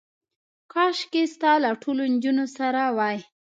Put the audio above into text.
کاشکې ستا له ټولو نجونو سره وای.